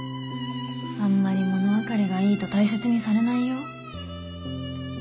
あんまり物分かりがいいと大切にされないよ。